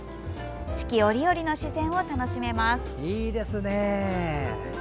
四季折々の自然を楽しめます。